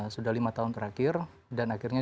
sudah lima tahun terakhir dan akhirnya